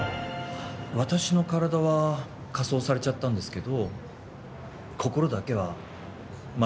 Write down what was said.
私の体は火葬されちゃったんですけど心だけはまだ生きてるんですよね。